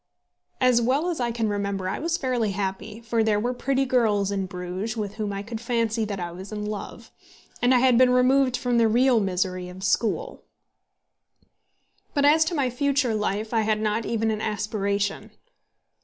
As well as I can remember I was fairly happy, for there were pretty girls at Bruges with whom I could fancy that I was in love; and I had been removed from the real misery of school. But as to my future life I had not even an aspiration.